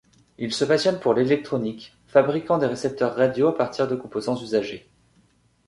Il se passionne pour l'électronique, fabriquant des récepteurs radio à partir de composants usagés.